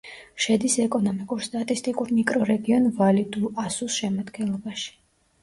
შედის ეკონომიკურ-სტატისტიკურ მიკრორეგიონ ვალი-დუ-ასუს შემადგენლობაში.